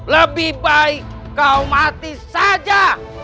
lebih baik kau mati saja